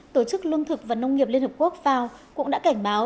tổ chức lương thực và nông nghiệp liên hợp quốc fao cũng đã cảnh báo